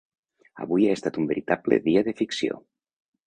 Avui ha estat un veritable dia de ficció.